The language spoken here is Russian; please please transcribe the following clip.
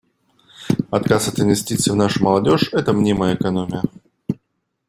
Отказ от инвестиций в нашу молодежь — это мнимая экономия.